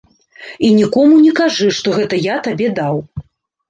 І нікому не кажы, што гэта я табе даў.